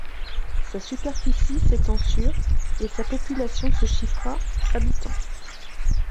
Sa superficie s'étend sur et sa population se chiffre à habitants.